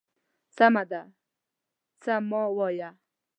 _سمه ده، څه مه وايه.